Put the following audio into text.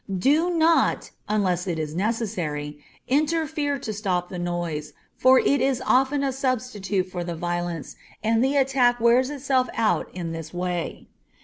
Do not, unless it is necessary, interfere to stop the noise, for it is often a substitute for the violence, and the attack wears itself out in this way.